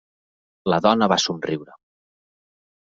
La dona va somriure.